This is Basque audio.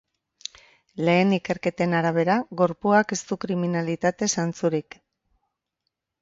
Lehen ikerketen arabera, gorpuak ez du kriminalitate-zantzurik.